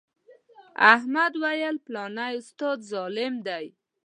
احمد ویل فلانی استاد ظالم دی.